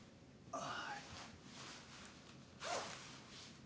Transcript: ああ。